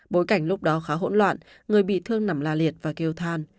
bối cảnh lúc đó khá hỗn loạn người bị thương nằm la liệt và kêu than